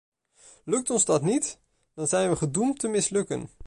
Lukt ons dat niet, dan zijn we gedoemd te mislukken.